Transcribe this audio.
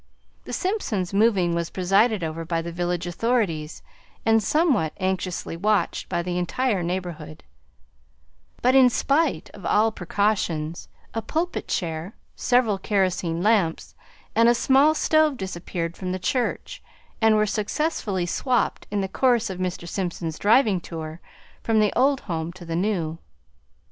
The Simpsons' moving was presided over by the village authorities and somewhat anxiously watched by the entire neighborhood, but in spite of all precautions a pulpit chair, several kerosene lamps, and a small stove disappeared from the church and were successfully swapped in the course of Mr. Simpson's driving tour from the old home to the new.